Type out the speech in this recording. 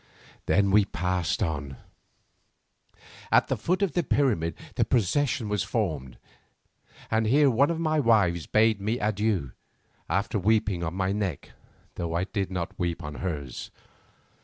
Then we passed on. At the foot of the pyramid the procession was formed, and here one of my wives bade me adieu after weeping on my neck, though I did not weep on hers.